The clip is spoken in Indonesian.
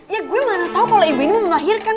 ya gue mana tau kalo ibu ini mau melahirkan